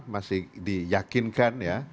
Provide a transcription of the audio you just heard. masih diyakinkan ya